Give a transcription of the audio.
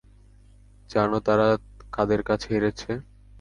জানো তারা কাদের কাছে হেরেছে?